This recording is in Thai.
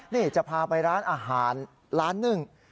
นี่จะพาไปร้านอาหารร้านหนึ่ง